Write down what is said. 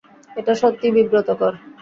এটা সত্যিই বিব্রতকর।